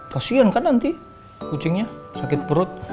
kasian kan nanti kucingnya sakit perut